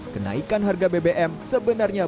kenaikan harga bbm sebenarnya